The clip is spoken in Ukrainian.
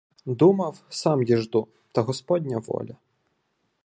Думав, сам діжду, та Господня воля.